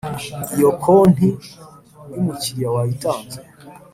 Iyo konti y’umukiriya wayitanze